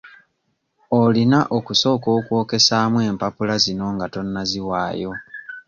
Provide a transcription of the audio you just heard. Olina okusooka okwokesaamu empapula zino nga tonnaziwaayo.